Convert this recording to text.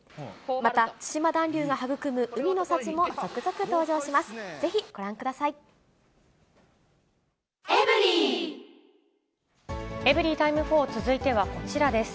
また対馬暖流が育む海の幸も続々登場します。